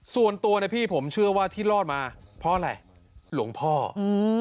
ส่วนตัวเนี่ยพี่ผมเชื่อว่าที่รอดมาเพราะอะไรหลวงพ่ออืม